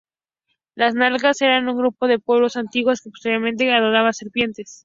Los nagas eran un grupo de pueblos antiguos que posiblemente adoraban serpientes.